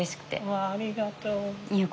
わありがとう。